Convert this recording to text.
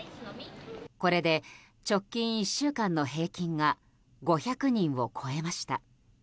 これで直近１週間の平均が５００人を超えました。